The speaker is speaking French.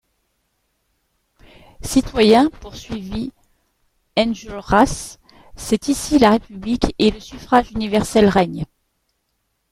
Citoyens, poursuivit Enjolras, c’est ici la république, et le suffrage universel règne.